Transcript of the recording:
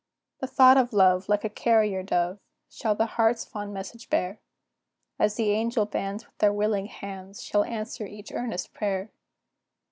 The thought of love, like a carrier dove, Shall the heart's fond message bear, And the angel bands, with their willing hands, Shall answer each earnest prayer.